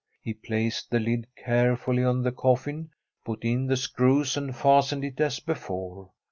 He placed the lid carefully on the coffin, put in the screws and fastened it as before.